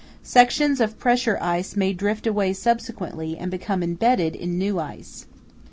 Sections of pressure ice may drift away subsequently and become embedded in new ice.